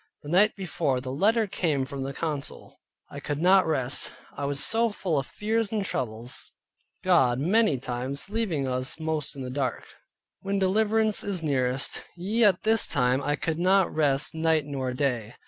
The night before the letter came from the council, I could not rest, I was so full of fears and troubles, God many times leaving us most in the dark, when deliverance is nearest. Yea, at this time I could not rest night nor day.